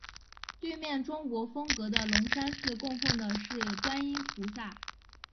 对面中国风格的龙山寺供奉的是观音菩萨。